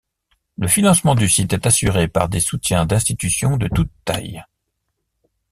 Le financement du site est assuré par des soutiens d'institutions de toutes tailles.